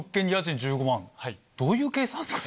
どういう計算っすか？